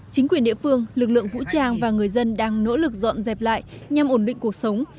chính quyền địa phương lực lượng vũ trang và người dân đang nỗ lực dọn dẹp lại nhằm ổn định cuộc sống